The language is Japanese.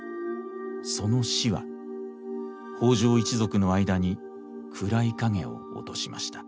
その死は北条一族の間に暗い影を落としました。